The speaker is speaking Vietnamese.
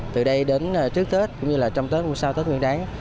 từ đây đến trước tết cũng như là trong tết nguyên sau tết nguyên đáng